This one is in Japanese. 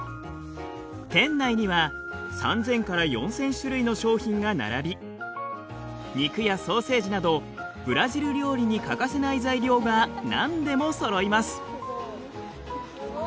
店内には３，０００４，０００種類の商品が並び肉やソーセージなどブラジル料理に欠かせない材料が何でもそろいます。